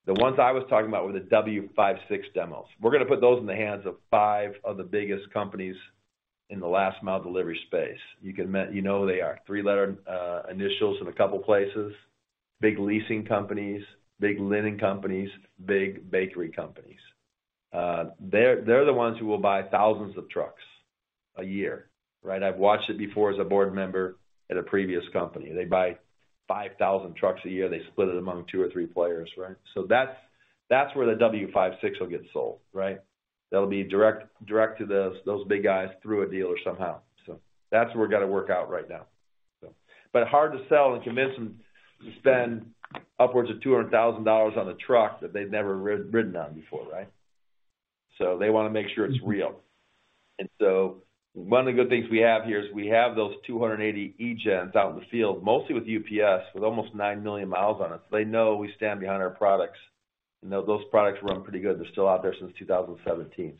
The ones I was talking about were the W56 demos. We're gonna put those in the hands of five of the biggest companies in the last mile delivery space. You can you know who they are. Three-letter initials in a couple places, big leasing companies, big lending companies, big bakery companies. They're the ones who will buy thousands of trucks a year, right? I've watched it before as a board member at a previous company. They buy 5,000 trucks a year. They split it among 2 or 3 players, right? That's where the W56 will get sold, right? That'll be direct to those big guys through a dealer somehow. That's what we're gonna work out right now. Hard to sell and convince them to spend upwards of $200,000 on a truck that they've never ridden on before, right? They wanna make sure it's real. One of the good things we have here is we have those 280 E-GENs out in the field, mostly with UPS, with almost 9 million miles on it. They know we stand behind our products and that those products run pretty good. They're still out there since 2017.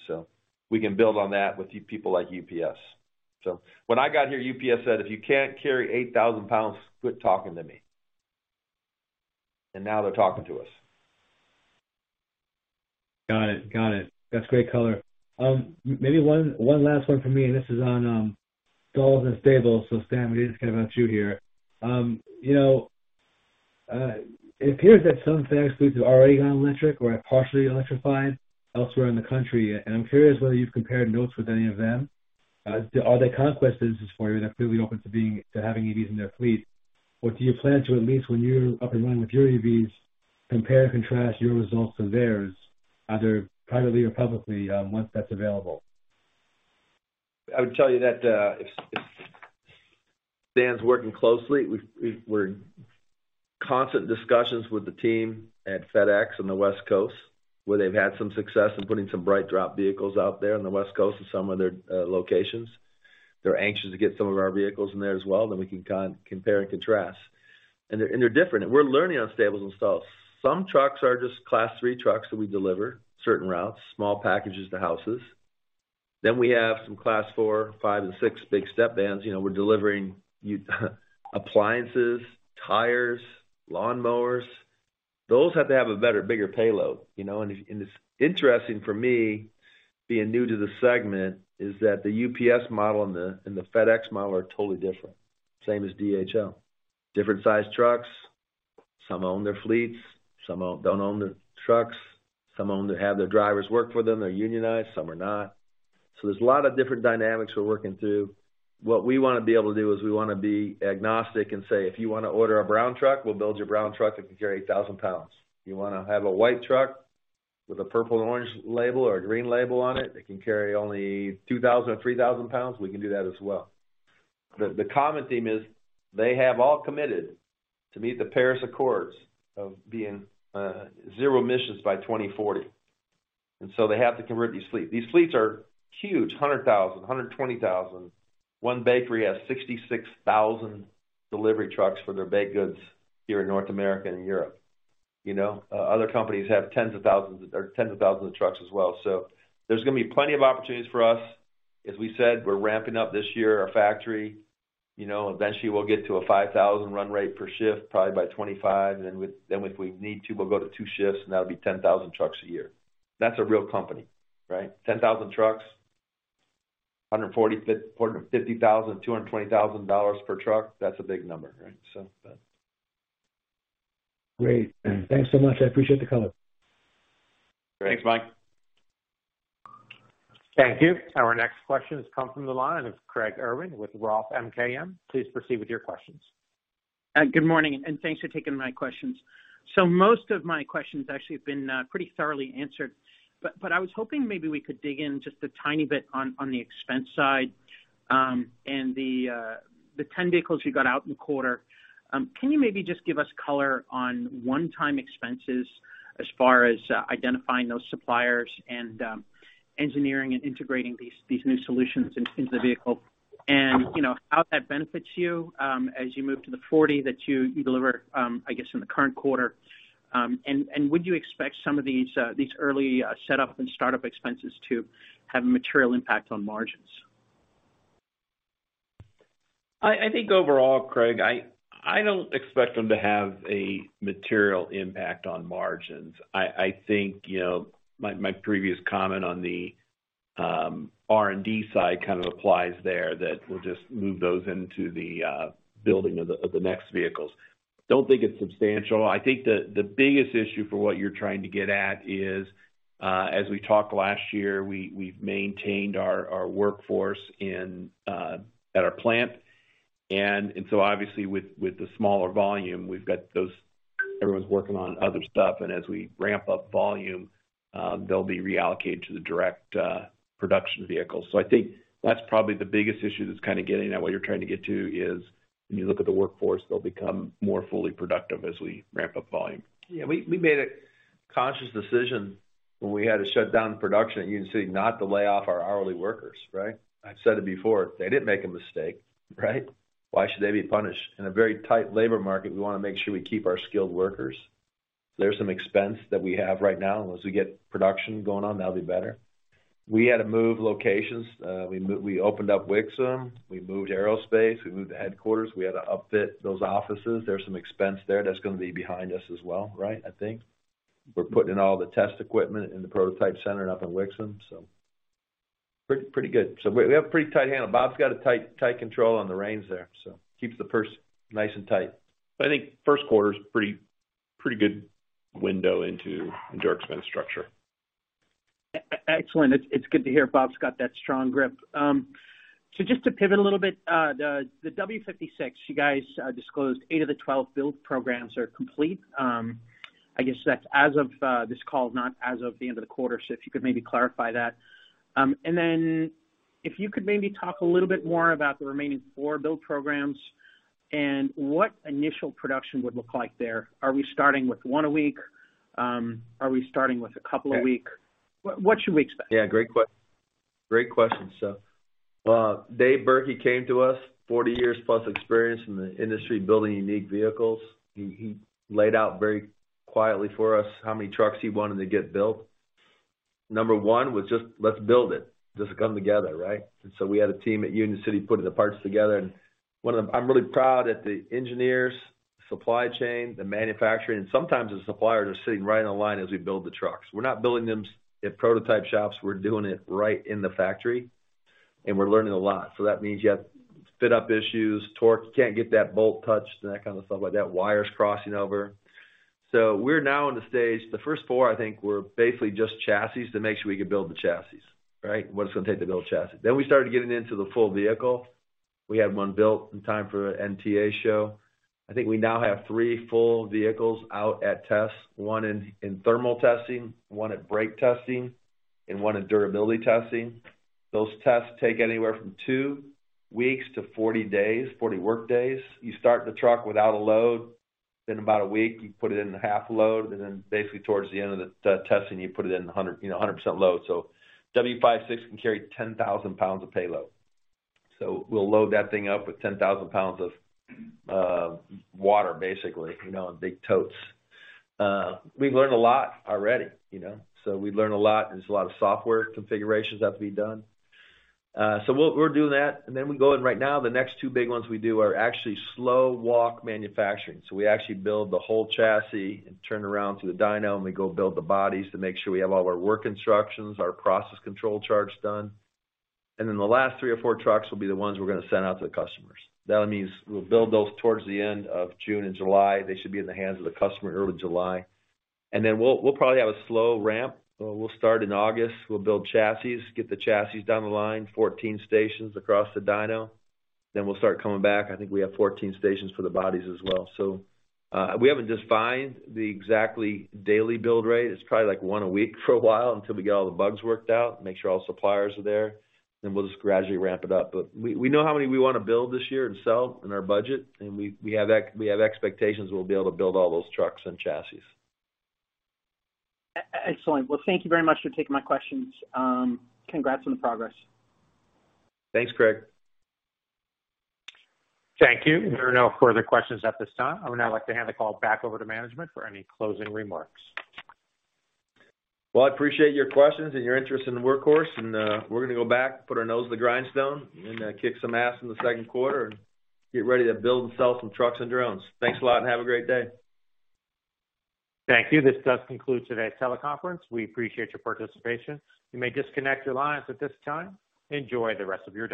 We can build on that with people like UPS. When I got here, UPS said, "If you can't carry 8,000 pounds, quit talking to me." Now they're talking to us. Got it. Got it. That's great color. maybe one last one for me, and this is on Stables & Stalls. Stan, we're gonna ask you here. you know, it appears that some FedEx fleets have already gone electric or are partially electrified elsewhere in the country, and I'm curious whether you've compared notes with any of them. are they conquest businesses for you and they're clearly open to having EVs in their fleet? Or do you plan to, at least when you're up and running with your EVs, compare and contrast your results to theirs, either privately or publicly, once that's available? I would tell you that, if Stan's working closely, we're in constant discussions with the team at FedEx on the West Coast, where they've had some success in putting some BrightDrop vehicles out there on the West Coast and some other locations. They're anxious to get some of our vehicles in there as well, we can compare and contrast. They're different. We're learning on Stables & Installs. Some trucks are just Class 3 trucks that we deliver certain routes, small packages to houses. We have some Class 4, 5, and 6 big step vans. You know, we're delivering appliances, tires, lawnmowers. Those have to have a better, bigger payload, you know. It's interesting for me, being new to the segment, is that the UPS model and the FedEx model are totally different. Same as DHL. Different sized trucks. Some own their fleets, some don't own their trucks. Some have their drivers work for them. They're unionized, some are not. There's a lot of different dynamics we're working through. What we wanna be able to do is we wanna be agnostic and say, "If you wanna order a brown truck, we'll build you a brown truck that can carry 8,000 pounds. You wanna have a white truck with a purple and orange label or a green label on it that can carry only 2,000 or 3,000 pounds, we can do that as well. The common theme is they have all committed to meet the Paris Agreement of being zero emissions by 2040. They have to convert these fleet. These fleets are huge, 100,000, 120,000. One bakery has 66,000 delivery trucks for their baked goods here in North America and Europe. You know? Other companies have tens of thousands of trucks as well. There's gonna be plenty of opportunities for us. As we said, we're ramping up this year, our factory. You know, eventually we'll get to a 5,000 run rate per shift, probably by 2025. Then if we need to, we'll go to two shifts, and that'll be 10,000 trucks a year. That's a real company, right? 10,000 trucks, $145,000-$220,000 per truck. That's a big number, right? Great. Thanks so much. I appreciate the color. Great. Thanks, Mike. Thank you. Our next question has come from the line of Craig Irwin with Roth MKM. Please proceed with your questions. Good morning, thanks for taking my questions. Most of my questions actually have been pretty thoroughly answered, but I was hoping maybe we could dig in just a tiny bit on the expense side, and the 10 vehicles you got out in the quarter. Can you maybe just give us color on one-time expenses as far as identifying those suppliers and engineering and integrating these new solutions into the vehicle? You know, how that benefits you as you move to the 40 that you deliver, I guess, in the current quarter. Would you expect some of these early setup and startup expenses to have a material impact on margins? I think overall, Craig, I don't expect them to have a material impact on margins. I think, you know, my previous comment on the R&D side kind of applies there, that we'll just move those into the building of the next vehicles. Don't think it's substantial. I think the biggest issue for what you're trying to get at is, as we talked last year, we've maintained our workforce in at our plant. Obviously with the smaller volume, everyone's working on other stuff, and as we ramp up volume, they'll be reallocated to the direct production vehicles. I think that's probably the biggest issue that's kinda getting at what you're trying to get to is when you look at the Workhorse, they'll become more fully productive as we ramp up volume. We made a conscious decision when we had to shut down production at Union City not to lay off our hourly workers, right? I've said it before, they didn't make a mistake, right? Why should they be punished? In a very tight labor market, we wanna make sure we keep our skilled workers. There's some expense that we have right now, and once we get production going on, that'll be better. We had to move locations. We opened up Wixom, we moved aerospace, we moved the headquarters. We had to upfit those offices. There's some expense there that's gonna be behind us as well, right, I think. We're putting all the test equipment in the prototype center and up in Wixom, so pretty good. We have a pretty tight handle. Bob's got a tight control on the reins there. Keeps the purse nice and tight. I think Q1's pretty good window into direct spend structure. Excellent. It's good to hear Bob's got that strong grip. Just to pivot a little bit, the W56, you guys disclosed 8 of the 12 build programs are complete. I guess that's as of this call, not as of the end of the quarter. If you could maybe clarify that. If you could maybe talk a little bit more about the remaining 4 build programs and what initial production would look like there. Are we starting with 1 a week? Are we starting with a couple a week? What should we expect? Yeah. Great question. Dave Burke, he came to us 40 years plus experience in the industry building unique vehicles. He laid out very quietly for us how many trucks he wanted to get built. Number one was just, "Let's build it. Just come together," right? We had a team at Union City putting the parts together, I'm really proud that the engineers, supply chain, the manufacturing, and sometimes the suppliers are sitting right on the line as we build the trucks. We're not building them at prototype shops, we're doing it right in the factory, and we're learning a lot. That means you have fit-up issues, torque, you can't get that bolt touched and that kind of stuff like that. Wires crossing over. We're now in the stage, the first four, I think were basically just chassis to make sure we could build the chassis, right? What it's going to take to build a chassis. We started getting into the full vehicle. We had one built in time for NTEA show. I think we now have three full vehicles out at tests, one in thermal testing, one at brake testing, and one in durability testing. Those tests take anywhere from two weeks to 40 days, 40 work days. You start the truck without a load, then about a week, you put it in half load, and then basically towards the end of the testing, you put it in 100% load. W56 can carry 10,000 pounds of payload. We'll load that thing up with 10,000 pounds of water basically, you know, in big totes. We've learned a lot already, you know. We learn a lot. There's a lot of software configurations that have to be done. We'll do that. We go in right now, the next two big ones we do are actually slow walk manufacturing. We actually build the whole chassis and turn around to the dyno, and we go build the bodies to make sure we have all our work instructions, our process control charts done. The last three or four trucks will be the ones we're gonna send out to the customers. That means we'll build those towards the end of June and July. They should be in the hands of the customer early July. We'll probably have a slow ramp. We'll start in August. We'll build chassis, get the chassis down the line, 14 stations across the dyno. We'll start coming back. I think we have 14 stations for the bodies as well. We haven't defined the exactly daily build rate. It's probably like 1 a week for a while until we get all the bugs worked out, make sure all suppliers are there, then we'll just gradually ramp it up. We know how many we wanna build this year and sell in our budget, and we have expectations we'll be able to build all those trucks and chassis. Excellent. Well, thank you very much for taking my questions. Congrats on the progress. Thanks, Craig. Thank you. There are no further questions at this time. I would now like to hand the call back over to management for any closing remarks. I appreciate your questions and your interest in Workhorse, and we're gonna go back, put our nose to the grindstone and kick some ass in the Q2 and get ready to build and sell some trucks and drones. Thanks a lot and have a great day. Thank you. This does conclude today's teleconference. We appreciate your participation. You may disconnect your lines at this time. Enjoy the rest of your day.